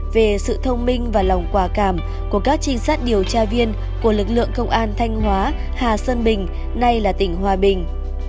về sự thông minh và lòng quả cảm của các trinh sát điều tra viên của lực lượng công an thanh hóa hà sơn bình nay là tỉnh hòa bình